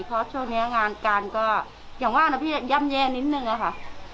เพราะช่วงนี้งานการก็อย่างว่านะพี่ย่ำแย่นิดนึงอะค่ะ